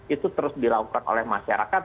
itu terus dilakukan oleh masyarakat